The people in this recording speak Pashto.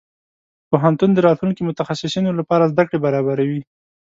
پوهنتون د راتلونکي متخصصينو لپاره زده کړې برابروي.